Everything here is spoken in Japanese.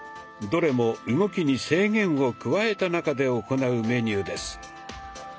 どれも動きに制限を加えた中で行うメニューです。